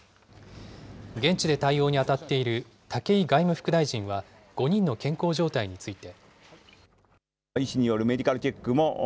現地で対応に当たっている武井外務副大臣は、５人の健康状態について。